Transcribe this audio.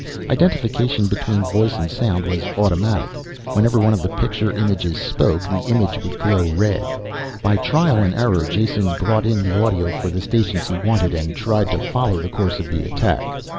Identification between voice and sound was automatic. Whenever one of the pictured images spoke, the image would glow red. By trial and error Jason brought in the audio for the stations he wanted and tried to follow the course of the attack.